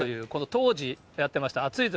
当時やってました、暑いぞ！